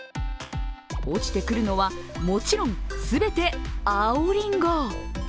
落ちてくるのはもちろん全て青りんご。